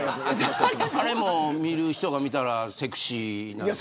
あれも見る人が見たらセクシーなのかも。